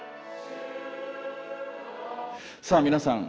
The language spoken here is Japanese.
さあ皆さん